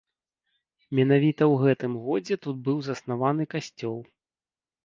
Менавіта ў гэтым годзе тут быў заснаваны касцёл.